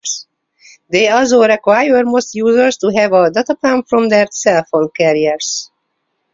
They also require most users to have a dataplan from their cell phone carriers.